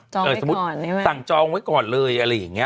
ใช่ไหม่ยสมมติสั่งจองไว้ก่อนเลยอะไรอย่างเงี้ย